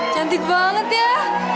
cantik banget ya